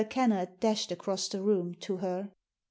Kennard dashed across the room to her.